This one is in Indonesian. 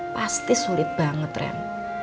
pasti sulit banget ren